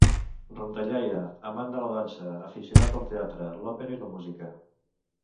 Rondallaire, amant de la dansa, aficionat al teatre, l'òpera i la música.